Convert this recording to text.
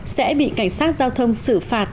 sẽ bị cảnh sát giao thông xử phạt